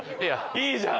いいじゃん！